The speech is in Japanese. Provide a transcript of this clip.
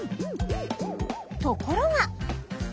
ところが。